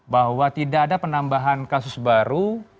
bahwa tidak ada penambahan kasus baru